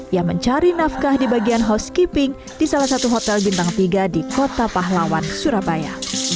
yang mencari nafkah di bagian housekeeping di salah satu hotel bintang tiga di kota pahlawan surabaya